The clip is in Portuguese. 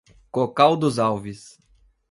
Cocal dos Alves